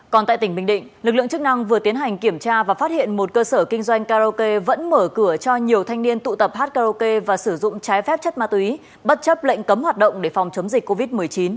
còn tại tỉnh bình định lực lượng chức năng vừa tiến hành kiểm tra và phát hiện một cơ sở kinh doanh karaoke vẫn mở cửa cho nhiều thanh niên tụ tập hát karaoke và sử dụng trái phép chất ma túy bất chấp lệnh cấm hoạt động để phòng chống dịch covid một mươi chín